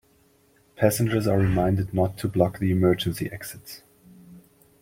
Passengers are reminded not to block the emergency exits.